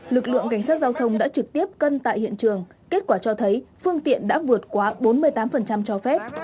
lực lượng cảnh sát giao thông đã trực tiếp cân tại hiện trường kết quả cho thấy phương tiện đã vượt quá bốn mươi tám cho phép